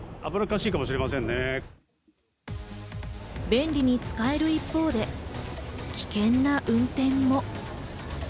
便利に使える一方で、危険な運転も。